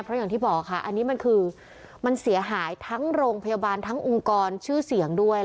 เพราะอย่างที่บอกค่ะอันนี้มันคือมันเสียหายทั้งโรงพยาบาลทั้งองค์กรชื่อเสียงด้วย